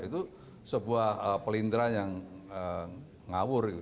itu sebuah pelindaran yang ngawur